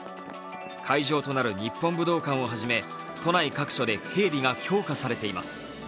会場となる日本武道館をはじめ都内各所で警備が強化されています。